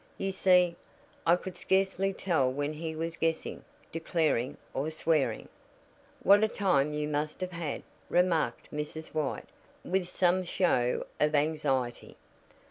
You see, I could scarcely tell when he was guessing, declaring or swearing " "What a time you must have had," remarked Mrs. White, with some show of anxiety.